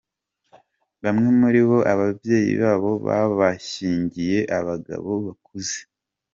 Bamwe muri bo ababyeyi babo babashyingiye abagabo bakuze.